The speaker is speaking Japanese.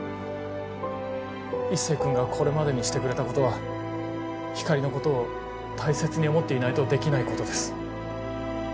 一星君がこれまでにしてくれたことは光莉のことを大切に思っていないとできないことです。